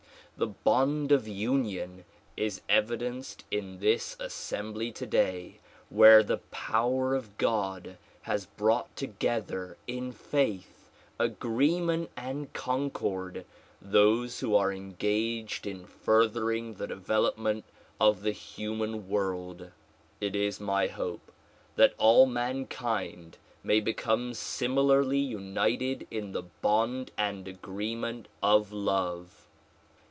The bond of union is evidenced in this assembly today where the power of 12 THE PlfOMULGATlON OP UNIVERSAL PEACE God has brought together in faith, agreement and concord those who are engaged in furthering the development of the human world. It is my hope that all mankind may become similarly united in the bond and agreement of love.